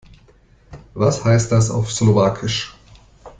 Was heißt das auf Slowakisch?